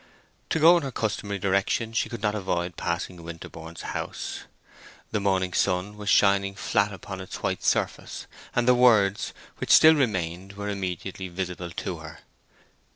To go in her customary direction she could not avoid passing Winterborne's house. The morning sun was shining flat upon its white surface, and the words, which still remained, were immediately visible to her.